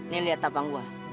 nih liat tapang gua